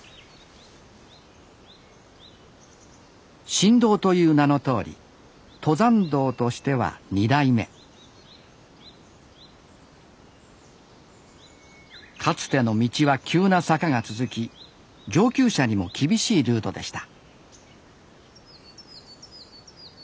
新道という名のとおり登山道としては２代目かつての道は急な坂が続き上級者にも厳しいルートでした